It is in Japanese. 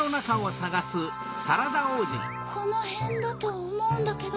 このへんだとおもうんだけど。